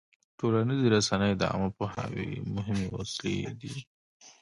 ټولنیزې رسنۍ د عامه پوهاوي مهمې وسیلې دي.